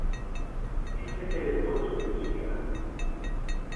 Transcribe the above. Je sais que tel est votre souhait, monsieur Kamardine.